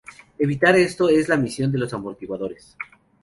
Evitar esto es la misión de los amortiguadores.